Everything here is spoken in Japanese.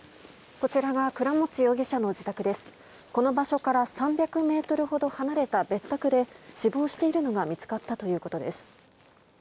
この場所から３００ｍほど離れた別宅で死亡しているのが見つかったということです。